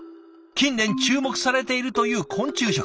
近年注目されているという昆虫食。